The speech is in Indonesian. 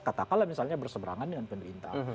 katakanlah misalnya berseberangan dengan pemerintah